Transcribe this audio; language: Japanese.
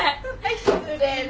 失礼な。